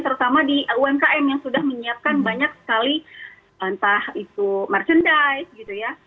terutama di umkm yang sudah menyiapkan banyak sekali entah itu merchandise gitu ya